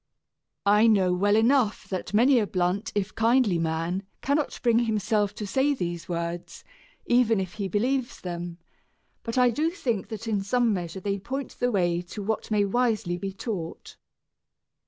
I know well enough that many a blunt if kindly man cannot bring himself to say these words, even if he believes them, but I do think that in some measure they point the way to what may wisely be taught.